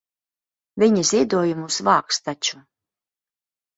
Viņi ziedojumus vāks taču.